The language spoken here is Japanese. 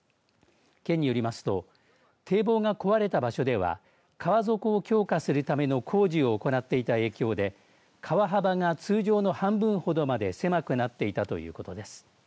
県によりますと堤防が壊れた場所では川底を強化するための工事を行っていた影響で川幅が通常の半分ほどまで狭くなっていたということです。